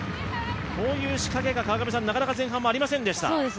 こういう仕掛けがなかなか前半はありませんでした。